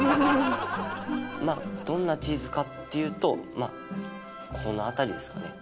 まあどんなチーズかっていうとまあこの辺りですかね。